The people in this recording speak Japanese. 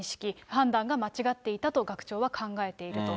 判断が間違っていたと学長は考えていると。